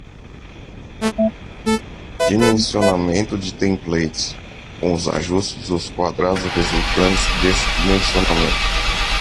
Dimensionamento de templates, com os ajustes dos quadrados resultantes deste dimensionamento.